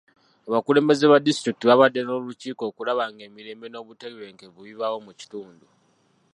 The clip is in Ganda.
Abakulembeze ba disitulikiti baabadde n'olukiiko okulaba ng'emirembe n'obutebenkevu bibaawo mu kitundu.